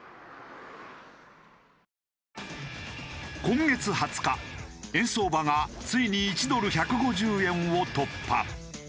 今月２０日円相場がついに１ドル１５０円を突破。